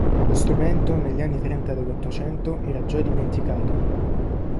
Lo strumento negli anni trenta dell'Ottocento era già dimenticato.